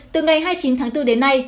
từ ngày hai mươi chín tháng bốn đến nay